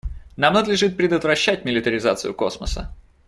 Нам надлежит предотвращать милитаризацию космоса.